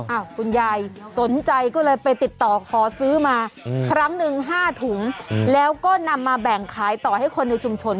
คุณยายสนใจก็เลยไปติดต่อขอซื้อมาครั้งหนึ่งห้าถุงแล้วก็นำมาแบ่งขายต่อให้คนในชุมชน